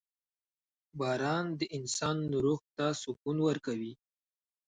• باران د انسان روح ته سکون ورکوي.